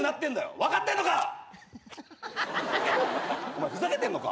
お前ふざけてんのか？